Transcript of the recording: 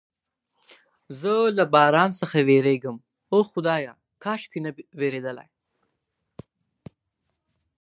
زه له باران څخه بیریږم، اوه خدایه، کاشکې نه بیریدلای.